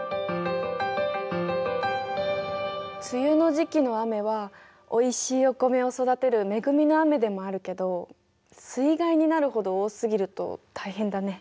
梅雨の時期の雨はおいしいお米を育てる恵みの雨でもあるけど水害になるほど多すぎると大変だね。